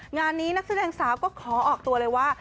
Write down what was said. งานนี้นักแสดงสาวก็ขอออกตัวเลยว่า